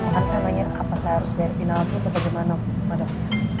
nanti saya nanya apa saya harus bayar penalti atau bagaimana madap